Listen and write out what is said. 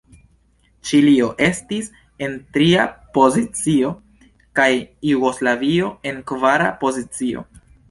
Ĉilio estis en tria pozicio, kaj Jugoslavio en kvara pozicio.